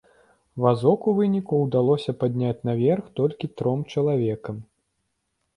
Вазок у выніку ўдалося падняць наверх толькі тром чалавекам.